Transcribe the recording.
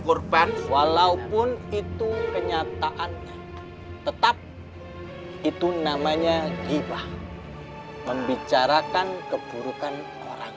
kurban walaupun itu kenyataannya tetap itu namanya gibah membicarakan keburukan orang